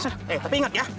eh tapi ingat ya